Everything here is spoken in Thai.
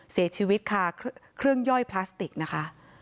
เสียชีวิตค่ะเครื่องย่อยพลาสติกนะคะ